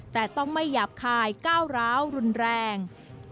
แต่ต้องไม่หยาบคายก้าวร้าวรุนแรง